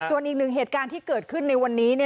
ส่วนอีกหนึ่งเหตุการณ์ที่เกิดขึ้นในวันนี้